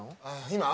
今？